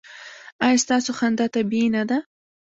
ایا ستاسو خندا طبیعي نه ده؟